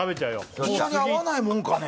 こんなに合わないもんかね